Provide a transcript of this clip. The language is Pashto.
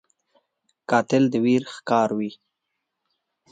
قاتل د ویر ښکاروي